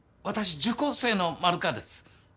私受講生の丸川です。